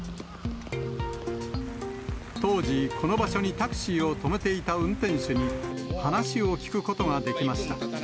当時、この場所にタクシーを止めていた運転手に話を聞くことができまし